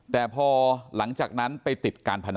แต่พอหลังจากนั้นไปติดการพนัน